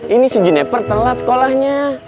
ini si jeneper telat sekolahnya